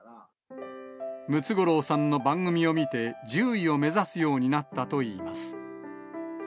ムツゴロウさんの番組を見て獣医を目指すようになったといいます。